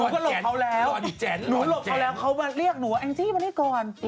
เขาแล้วหนูหลบเขาแล้วเขามาเรียกหนูว่าแอ็งจี้มานี่ก่อน